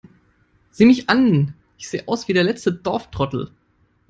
Sieh mich an, ich sehe aus wie der letzte Dorftrottel!